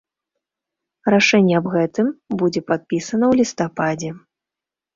Рашэнне аб гэтым будзе падпісана ў лістападзе.